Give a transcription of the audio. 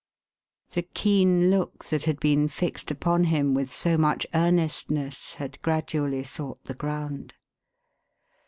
The keen look that had been fixed upon him with so much earnestness, had gradually sought the ground.